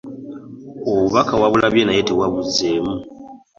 Obubaka wabulabye naye tewabuzzeemu.